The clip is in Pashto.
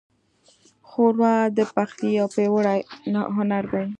ښوروا د پخلي یو پیاوړی هنر دی.